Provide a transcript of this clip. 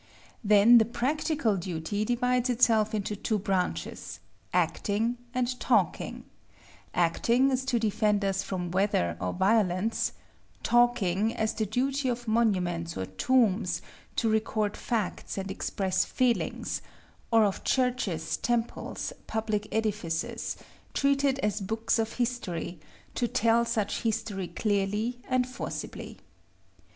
Then the practical duty divides itself into two branches, acting and talking: acting, as to defend us from weather or violence; talking, as the duty of monuments or tombs, to record facts and express feelings; or of churches, temples, public edifices, treated as books of history, to tell such history clearly and forcibly.